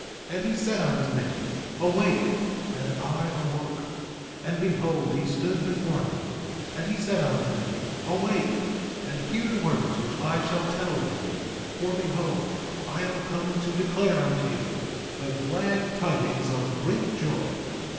And he said unto me: Awake; and I awoke, and behold he stood before me. 3:3 And he said unto me: Awake, and hear the words which I shall tell thee; for behold, I am come to declare unto you the glad tidings of great joy.